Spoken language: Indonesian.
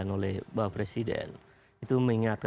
apakah tempat ini sudah sleek